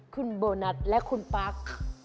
คุณโบนัสและคุณปั๊ก